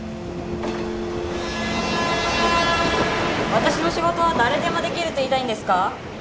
・私の仕事は誰でもできると言いたいんですか？